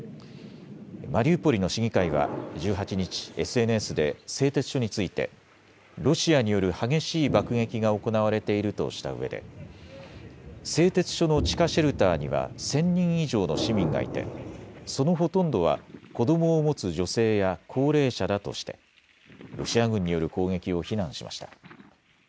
マリウポリの市議会は１８日、ＳＮＳで製鉄所についてロシアによる激しい爆撃が行われているとしたうえで製鉄所の地下シェルターには１０００人以上の市民がいてそのほとんどは子どもを持つ女性や高齢者だとしてロシア軍による攻撃を非難しました。